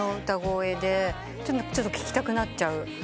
ちょっと聴きたくなっちゃう声ですね。